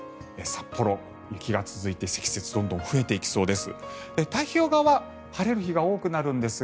札幌、雪が続いて、積雪がどんどん増えていきそうです。